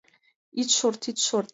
Ит шорт, ит шорт!"